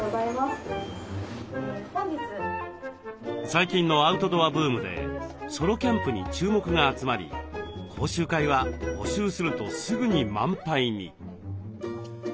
最近のアウトドアブームでソロキャンプに注目が集まり講習会は募集するとすぐに満杯に。